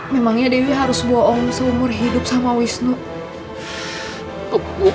memangnya dewi harus bohong seumur hidup sama wisnu